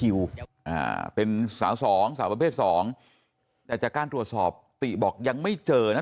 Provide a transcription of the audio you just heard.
อ่าเป็นสาวสองสาวประเภทสองแต่จากการตรวจสอบติบอกยังไม่เจอนะ